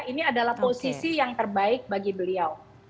ini adalah posisi yang terbaik bagi beliau